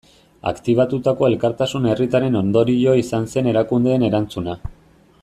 Aktibatutako elkartasun herritarraren ondorio izan zen erakundeen erantzuna.